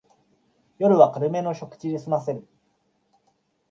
夜は軽めの食事ですませる